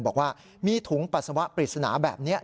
บอกว่ามีถุงปัสสาวะปริศนาแบบนี้